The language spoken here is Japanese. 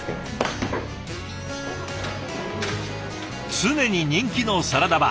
常に人気のサラダバー。